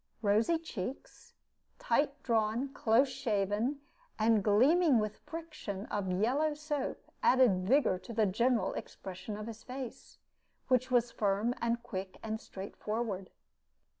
Rosy cheeks, tight drawn, close shaven, and gleaming with friction of yellow soap, added vigor to the general expression of his face, which was firm and quick and straightforward.